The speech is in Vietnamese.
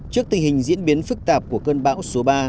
trước tình hình diễn biến phức tạp của cơn bão số ba